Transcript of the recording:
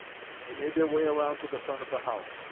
They made their way around to the front of the house.